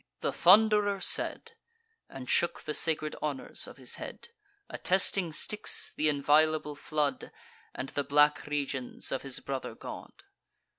The Thund'rer said, And shook the sacred honours of his head, Attesting Styx, th' inviolable flood, And the black regions of his brother god.